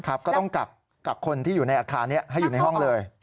ก็ต้องกักคนที่อยู่ในอาคารนี้ให้อยู่ในห้องเลย